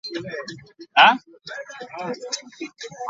They released their self-titled debut album the same year.